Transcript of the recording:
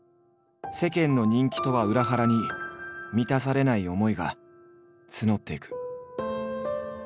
世間の人気とは裏腹に満たされない思いが募っていく。